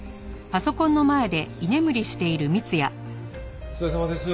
お疲れさまです。